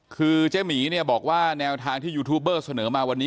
คือเจ๊หมีเนี่ยบอกว่าแนวทางที่ยูทูบเบอร์เสนอมาวันนี้